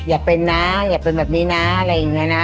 อย่าเป็นนะอย่าเป็นแบบนี้นะอะไรอย่างนี้นะ